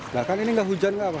bahkan ini enggak hujan enggak apa